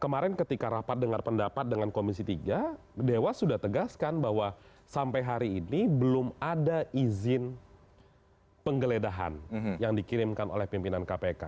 kemarin ketika rapat dengar pendapat dengan komisi tiga dewas sudah tegaskan bahwa sampai hari ini belum ada izin penggeledahan yang dikirimkan oleh pimpinan kpk